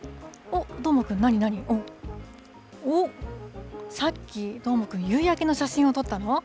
おっ、おっ、さっき、どーもくん、夕焼けの写真を撮ったの？